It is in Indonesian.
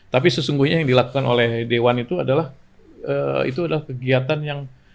tapi sesungguhnya yang dilakukan oleh dewan itu adalah itu adalah kegiatan yang